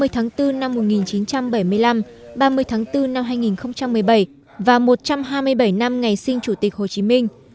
ba mươi tháng bốn năm một nghìn chín trăm bảy mươi năm ba mươi tháng bốn năm hai nghìn một mươi bảy và một trăm hai mươi bảy năm ngày sinh chủ tịch hồ chí minh